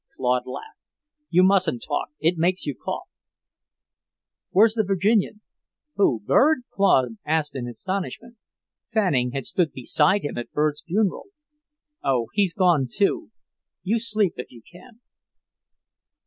Claude laughed. "You mustn't talk. It makes you cough." "Where's the Virginian?" "Who, Bird?" Claude asked in astonishment, Fanning had stood beside him at Bird's funeral. "Oh, he's gone, too. You sleep if you can."